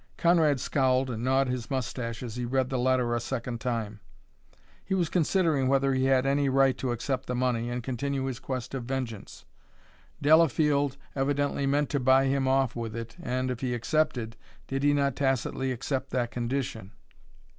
Conrad scowled and gnawed his moustache as he read the letter the second time. He was considering whether he had any right to accept the money and continue his quest of vengeance. Delafield evidently meant to buy him off with it and, if he accepted, did he not tacitly accept that condition?